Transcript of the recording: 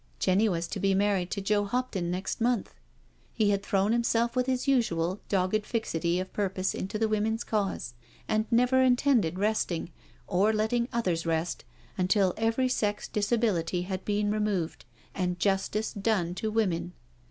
Jenny was to be married to Joe Hopton next month. He had thrown himself with his usual dogged fixity of purpose into the Women's Cause, and never intended resting, or letting others rest, until every sex disability had been removed, and justice done to women.